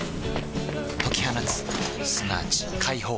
解き放つすなわち解放